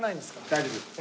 大丈夫です。